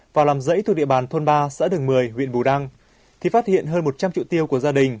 vào làm rẫy thuộc địa bàn thôn ba xã đường một mươi huyện bù đăng thì phát hiện hơn một trăm linh triệu tiêu của gia đình